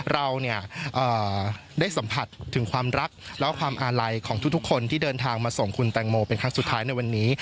เราเนี่ยได้สัมผัสถึงความรักและความอาลัยของทุกคนที่เดินทางมาส่งคุณแตงโมเป็นครั้งสุดท้ายในวันนี้